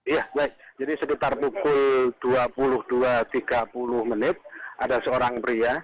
iya baik jadi sekitar pukul dua puluh dua tiga puluh menit ada seorang pria